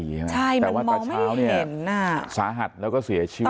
ใช่มันมองไม่เห็นตาเช้าเนี่ยสาหัสแล้วก็เสียชีวิต